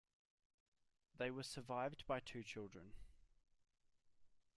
They were survived by two children.